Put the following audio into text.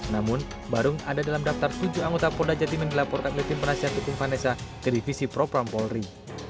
namun barung ada dalam daftar tujuh anggota pol dajatim yang dilaporkan oleh tim penasihat hukum vanessa ke divisi pro prampolri